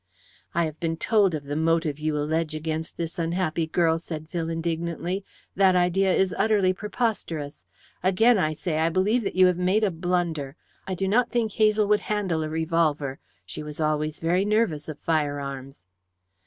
"I have been told of the motive you allege against this unhappy girl," said Phil indignantly. "That idea is utterly preposterous. Again, I say, I believe that you have made a blunder. I do not think Hazel would handle a revolver. She was always very nervous of fire arms."